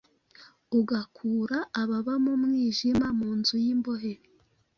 ugakura ababa mu mwijima mu nzu y’imbohe.